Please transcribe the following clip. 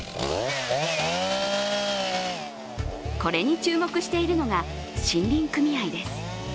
これに注目しているのが、森林組合です。